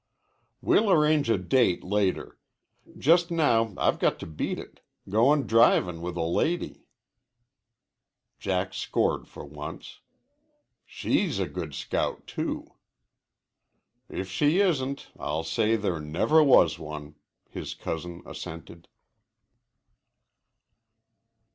"We'll arrange a date later. Just now I've got to beat it. Goin' drivin' with a lady." Jack scored for once. "She's a good scout, too." "If she isn't, I'll say there never was one," his cousin assented.